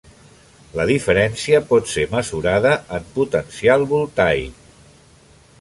La diferència pot ser mesurada en potencial voltaic.